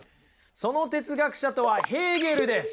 その哲学者とはヘーゲルです。